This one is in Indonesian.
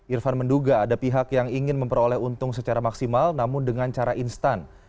irfan menduga ada pihak yang ingin memperoleh untung secara maksimal namun dengan cara instan